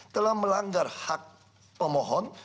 telah melanggar hak pemohon